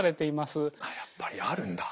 あっやっぱりあるんだ。